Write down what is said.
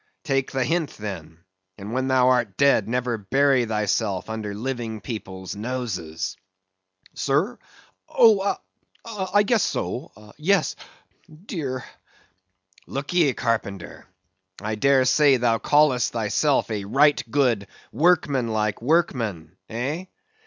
Take the hint, then; and when thou art dead, never bury thyself under living people's noses. Sir?—oh! ah!—I guess so;—yes—oh, dear! Look ye, carpenter, I dare say thou callest thyself a right good workmanlike workman, eh?